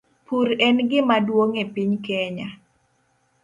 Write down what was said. Pur en e gima duong' e piny Kenya,